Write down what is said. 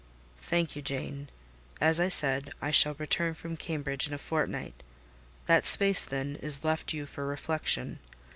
"Thank you, Jane. As I said, I shall return from Cambridge in a fortnight: that space, then, is yet left you for reflection.